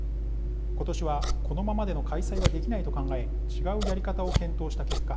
今年はこのままでの開催はできないと考え違うやり方を検討した結果